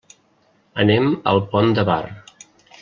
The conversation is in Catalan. Anem al Pont de Bar.